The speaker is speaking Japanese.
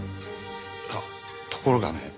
いやところがね